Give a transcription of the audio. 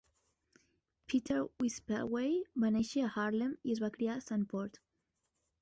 Pieter Wispelwey va néixer a Haarlem i es va criar a Santpoort.